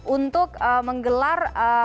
untuk menggelar pembelajaran ya yang di dalam